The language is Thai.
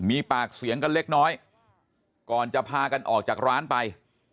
มีปากเสียงกันเล็กน้อยก่อนจะพากันออกจากร้านไป